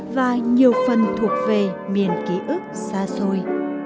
và nhiều phần thuộc về miền ký ức xa xôi